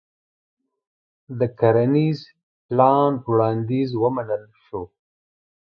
د کرنيز پلان وړانديز ومنل شو.